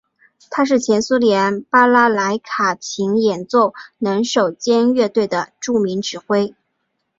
他是前苏联巴拉莱卡琴演奏能手兼乐队的著名指挥。